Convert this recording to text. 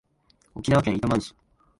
沖縄県糸満市